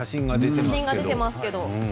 写真が出てますけど。